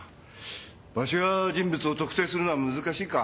場所や人物を特定するのは難しいか。